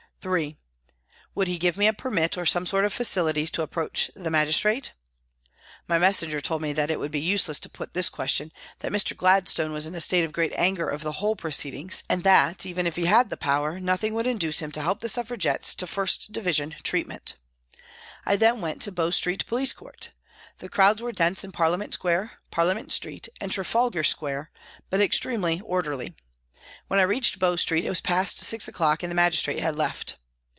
(3) Would he give me a permit or some sort of facilities to approach the magistrate ? My messenger told me that it would be useless to put this question, that * Afterwards Lord Gladstone. 24 PRISONS AND PRISONERS Mr. Gladstone was in a state of great anger over the whole proceedings, and that, even if he had the power, nothing would induce him to help the Suffragettes to 1st Division treatment. I then went to Bow Street Police Court. The crowds were dense in Parliament Square, Parliament Street, and Trafalgar Square, but extremely orderly. When I reached Bow Street it was past six o'clock and the magistrate had left.